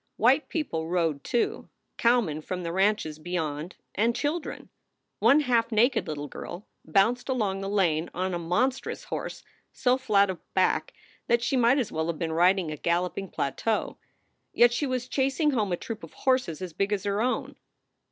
White people rode, too cowmen from the ranches beyond and children. One half naked little girl bounced along the lane on a monstrous horse so flat of back that she might as well have been riding a galloping plateau. Yet she was chasing home a troop of horses as big as her own.